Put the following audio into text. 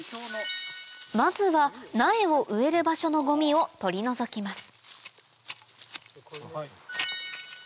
まずは苗を植える場所のゴミを取り除きます